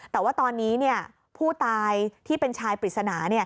แต่ว่าตอนนี้ผู้ตายที่เป็นชายปริศนา